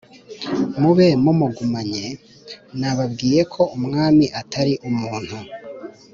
mube mumugumanye. nababwiye ko umwami atari umuntu!